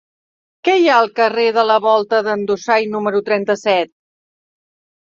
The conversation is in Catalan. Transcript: Què hi ha al carrer de la Volta d'en Dusai número trenta-set?